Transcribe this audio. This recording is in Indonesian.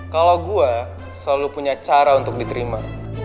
kalau gue selalu punya cara untuk diterima